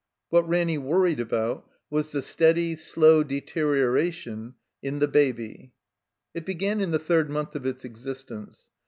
What Ranny worried about was the steady, slow deterioration in the Baby. It began in the third month of its existence.